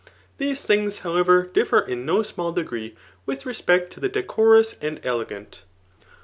These things, however, differ in no small degree with respect to the decoroas and ele gant.